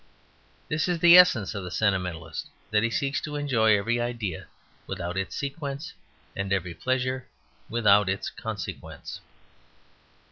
This is the essence of the Sentimentalist: that he seeks to enjoy every idea without its sequence, and every pleasure without its consequence.